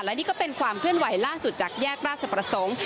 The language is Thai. และนี่ก็เป็นความเคลื่อนไหวล่าสุดจากแยกราชประสงค์